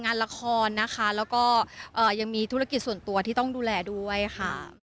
งานละครนะคะแล้วก็ยังมีธุรกิจส่วนตัวที่ต้องดูแลด้วยค่ะ